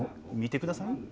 見てください。